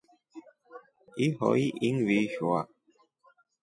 Ihoi ingivishwa.